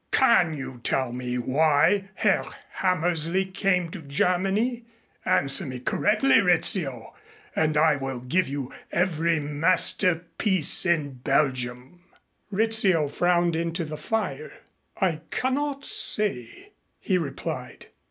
"Can you tell me why Herr Hammersley came to Germany? Answer me correctly, Rizzio, and I will give you every masterpiece in Belgium." Rizzio frowned into the fire. "I cannot say," he replied.